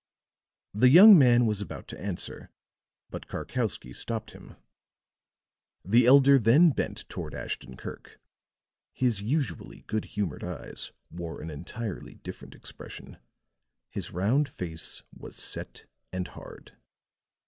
The young man was about to answer, but Karkowsky stopped him. The elder then bent toward Ashton Kirk; his usually good humored eyes wore an entirely different expression, his round face was set and hard.